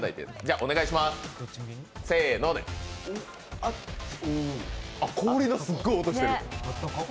あ、氷のすっごい音してる。